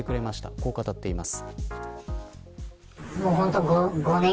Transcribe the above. こう語っています。